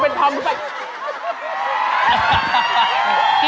เป็นความผิด